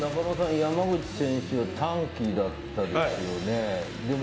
山口選手は単騎だったんですよね。